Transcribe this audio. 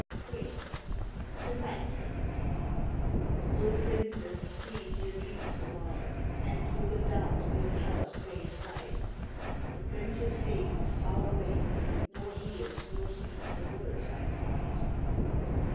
III The Knight sings: O princess cease your dreams awhile And look adown your tower's gray side The princess gazes far away, Nor hears nor heeds the words I cried.